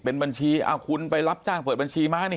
เป็นบัญชีเอาคุณไปรับจ้างเปิดบัญชีม้านี่